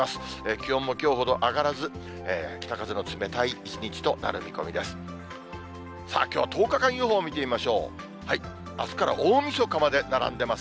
気温もきょうほど上がらず、北風の冷たい一日となる見込みです。